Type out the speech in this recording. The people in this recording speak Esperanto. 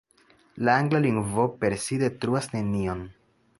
La angla lingvo per si detruas nenion.